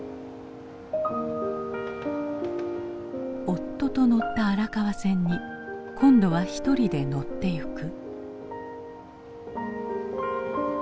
夫と乗った荒川線に今度は一人で乗っていく。